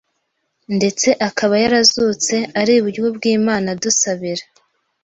Ndetse akaba yarazutse ari iburyo bw'Imana adusabira